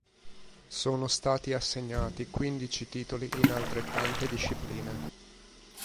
Sono stati assegnati quindici titoli in altrettante discipline.